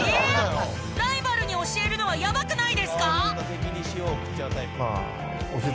ライバルに教えるのはやばくないですか！？